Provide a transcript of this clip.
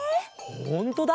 ほんとだ！